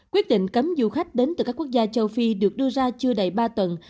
quyết định cấm du khách đến từ các quốc gia châu phi được đưa ra chưa đầy ba tuần